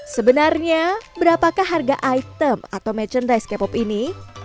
sebenarnya berapakah harga item atau merchandise k pop ini